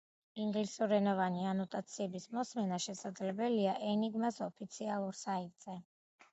ინგლისურენოვანი ანოტაციების მოსმენა შესაძლებელია ენიგმას ოფიციალურ საიტზე.